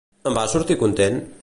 En va sortir content?